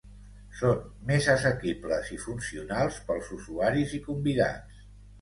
Són més assequibles, i funcionals pels usuaris i convidats.